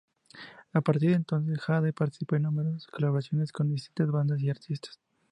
A partir de entonces, Haden participó en numerosas colaboraciones con distintas bandas y artistas.